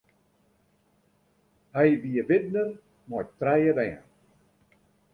Hy wie widner mei trije bern.